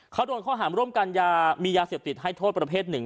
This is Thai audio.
เขาโดนข้อหารร่วมกันยามียาเสพติดให้โทษประเภทหนึ่ง